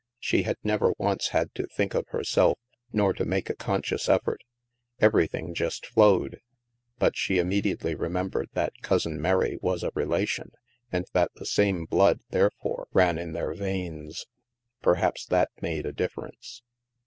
She had never once had to think of herself, nor to make a conscious effort. Everything just flowed. But she immediately remen^bered that Cousin Mary was a relation, and that the same blood, therefore, ran in their veins. Perhaps that made a difference.